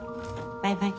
バイバイ。